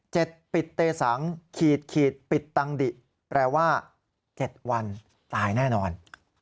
ปิดเตสังขีดขีดปิดตังดิแปลว่าเจ็ดวันตายแน่นอน